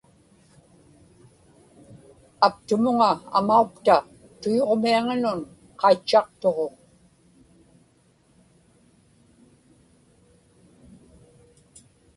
aptumuŋa amaupta tuyuġmiaŋanun qaitchaqtuġuŋ